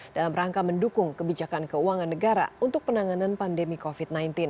dalam rangka mendukung kebijakan keuangan negara untuk penanganan pandemi covid sembilan belas